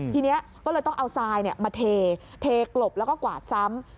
ทีนี้ก็เลยต้องเอาทรายมาเทกลบแล้วก็กวาดซ้ำ